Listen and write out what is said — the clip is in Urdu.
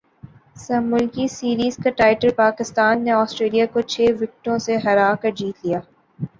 سہ ملکی سیریز کا ٹائٹل پاکستان نے اسٹریلیا کو چھ وکٹوں سے ہرا کرجیت لیا